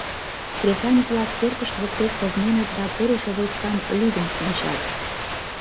Кресаньык-влак пӧртышт воктек пызненыт да пурышо войскам лӱдын ончат.